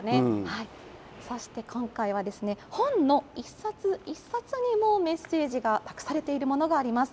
そして今回は、本の一冊一冊にもメッセージが託されているものがあります。